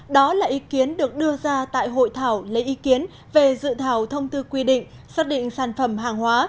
đó là ý kiến được đưa ra tại hội thảo lấy ý kiến về dự thảo thông tư quy định xác định sản phẩm hàng hóa